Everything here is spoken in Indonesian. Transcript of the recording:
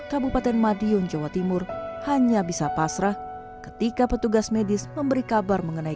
kabupaten madiun jawa timur hanya bisa pasrah ketika petugas medis memberi kabar mengenai